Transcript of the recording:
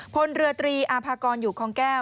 พลเรือตรีอาภากรอยู่คองแก้ว